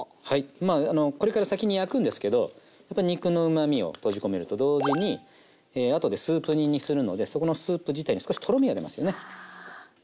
まあこれから先に焼くんですけどやっぱ肉のうまみを閉じ込めると同時にあとでスープ煮にするのでそこのスープ自体に少しとろみが出ますよね。